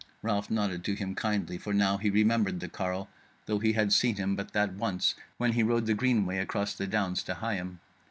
Ralph nodded to him kindly, for now he remembered the carle, though he had seen him but that once when he rode the Greenway across the downs to Higham.